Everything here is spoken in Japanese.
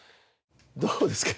どうですか？